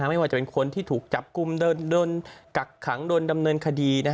ไม่ว่าจะเป็นคนที่ถูกจับกลุ่มโดนกักขังโดนดำเนินคดี